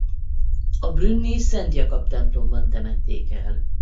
A brünni Szent Jakab-templomban temették el.